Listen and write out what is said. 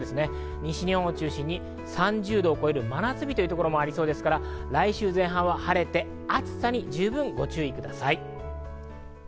西日本を中心に３０度を超える真夏日というところもありそうですから、来週前半は晴れて暑さに十分ご注意ください。